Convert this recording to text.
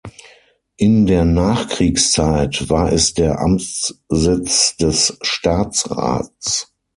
In der Nachkriegszeit war es der Amtssitz des Staatsrats.